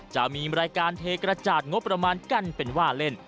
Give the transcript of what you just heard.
จะมีรายการเทกระจาดงบประมาณกันเป็นว่าเล่น